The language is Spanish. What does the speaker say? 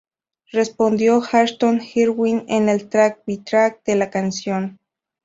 Respondió Ashton Irwin en el Track by Track de la canción.